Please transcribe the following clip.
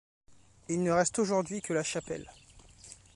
Il ne reste aujourd'hui que la chapelle.